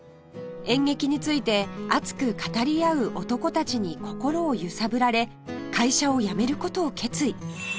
演劇について熱く語り合う男たちに心を揺さぶられ会社を辞める事を決意